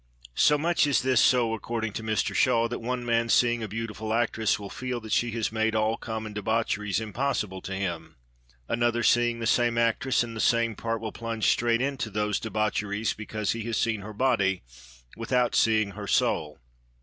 So much is this so according to Mr Shaw that "one man seeing a beautiful actress will feel that she has made all common debaucheries impossible to him; another seeing the same actress in the same part will plunge straight into those debaucheries because he has seen her body without seeing her soul."